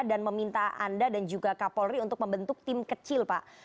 dan meminta anda dan juga kak polri untuk membentuk tim kecil pak